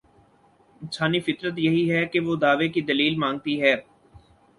انسانی فطرت یہی ہے کہ وہ دعوے کی دلیل مانگتی ہے۔